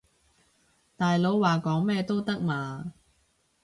大佬話講咩都得嘛